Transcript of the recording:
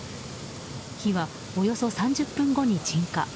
火はおよそ３０分後に鎮火。